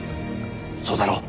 そうだろう？